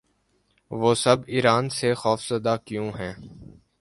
وہ سب ایران سے خوف زدہ کیوں ہیں؟